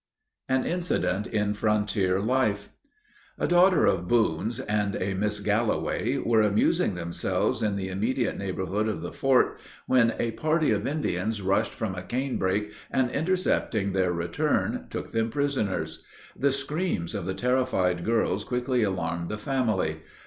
AN INCIDENT IN FRONTIER LIFE A daughter of Boone's, and a Miss Galloway, were amusing themselves in the immediate neighborhood of the fort, when a party of Indians rushed from a canebrake, and, intercepting their return, took them prisoners. The screams of the terrified girls quickly alarmed the family.